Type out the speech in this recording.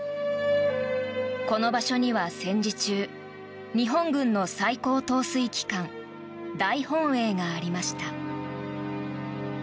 この場所には戦時中日本軍の最高統帥機関大本営がありました。